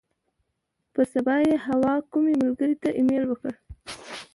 پر سبا یې حوا کومې ملګرې ته ایمیل وکړ.